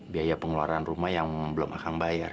biaya pengeluaran rumah yang belum akan bayar